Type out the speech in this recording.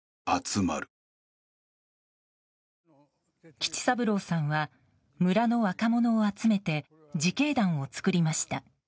吉三郎さんは村の若者を集めて自警団を作りました。